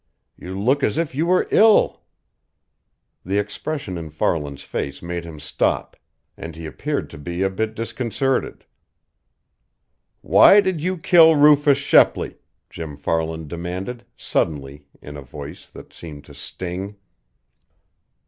You look as if you were ill " The expression in Farland's face made him stop, and he appeared to be a bit disconcerted. "Why did you kill Rufus Shepley?" Jim Farland demanded suddenly in a voice that seemed to sting.